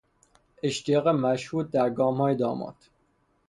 اشتیاق مشهود در گامهای داماد